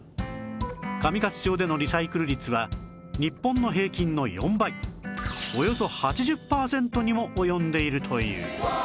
上勝町でのリサイクル率は日本の平均の４倍およそ８０パーセントにも及んでいるという